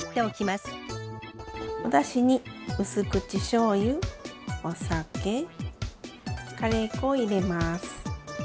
おだしにうす口しょうゆ・お酒カレー粉を入れます。